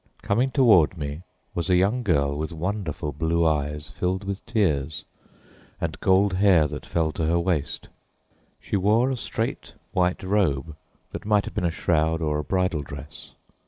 Coming toward me was a young girl with wonderful blue eyes filled with tears and gold hair that fell to her waist. She wore a straight, white robe that might have been a shroud or a bridal dress.